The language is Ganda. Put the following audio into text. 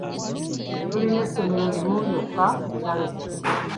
Tulina essomero limu lyokka ku kyalo kyaffe.